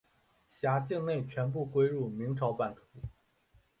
辖境全部归入明朝版图。